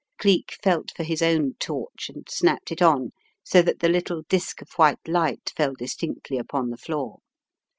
Cleek felt for his own torch and snapped it on so that the little disc of white light fell distinctly upon the floor.